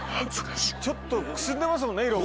ちょっとくすんでますもんね色も。